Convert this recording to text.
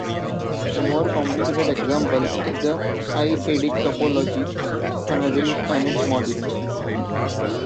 A more complicated example is the "I"-adic topology on a ring and its modules.